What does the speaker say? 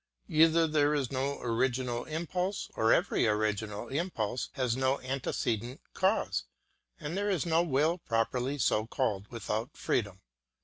Either there is no original impulse, or every original impulse has no antecedent cause, and there is no will properly so called without freedom.